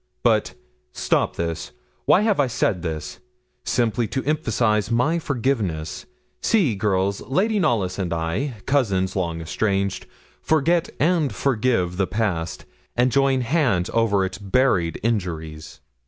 But stop this. Why have I said this? simply to emphasize my forgiveness. See, girls, Lady Knollys and I, cousins long estranged, forget and forgive the past, and join hands over its buried injuries.'